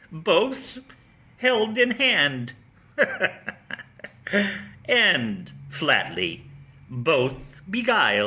Both held in hand, and flatly both beguil'd?